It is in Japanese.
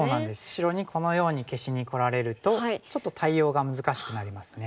白にこのように消しにこられるとちょっと対応が難しくなりますね。